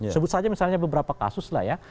sebut saja misalnya beberapa kasus lah ya